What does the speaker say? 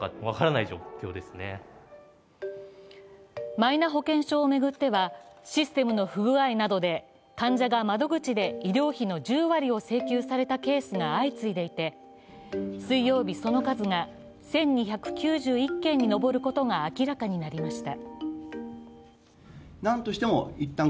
マイナ保険証を巡ってはシステムの不具合などで患者が窓口で医療費の１０割を請求されたケースが相次いでいて水曜日、その数が１２９１件に上ることが明らかになりました。